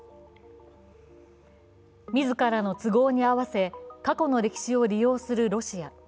自らの都合に合わせ、過去の歴史を利用するロシア。